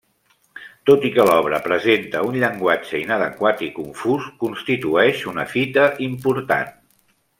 Tot i que l'obra presenta un llenguatge inadequat i confús, constitueix una fita important.